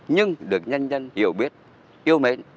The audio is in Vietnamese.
nhưng được nhân dân hiểu biết yêu mến